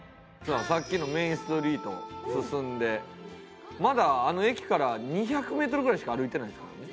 さっきのメインストリートを進んでまだあの駅から２００メートルぐらいしか歩いてないですからね。